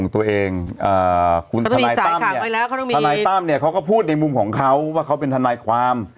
ทนายต้ามเนี่ยเขาก็พูดในมุมของเขาว่าเขาเป็นทนายความ